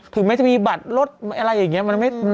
ถึงไม่ที่มีที่บัตรรถอะไรอย่างเงี้ย